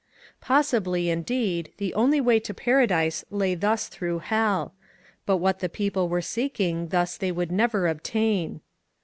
Pos sibly, indeed, the only way to Paradise lay thus through hell ; but what the people were seeking thus they would never obtain.